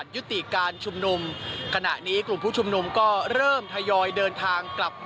ยุติการชุมนุมการปรากฏ